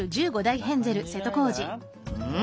うん？